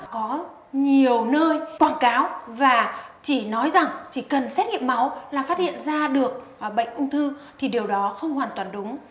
có nhiều nơi quảng cáo và chỉ nói rằng chỉ cần xét nghiệm máu là phát hiện ra được bệnh ung thư thì điều đó không hoàn toàn đúng